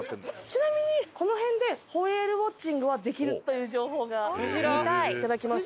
ちなみにこの辺でホエールウォッチングはできるという情報がいただきました。